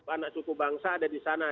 anak suku bangsa ada disana